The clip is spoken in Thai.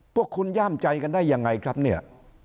พวกคุณย่ามใจกันได้ยังไงครับเนี่ย